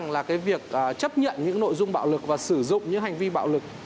là cái việc chấp nhận những nội dung bạo lực và sử dụng những hành vi bạo lực